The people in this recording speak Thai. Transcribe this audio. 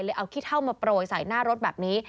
เอาขี้เท่ามาโปรยใส่หน้ารถแบบนี้